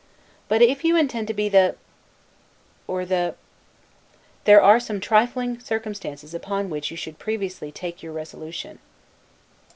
But, if you intend to be the , or the , there are some trifling circumstances upon which you should previously take your resolution.